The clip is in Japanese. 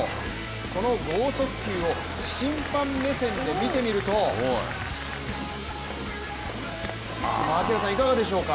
この剛速球を審判目線で見てみると槙原さん、いかがでしょうか？